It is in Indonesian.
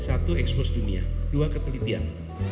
satu expose dunia dua ketelitian